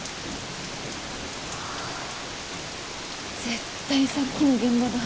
絶対さっきの現場だ。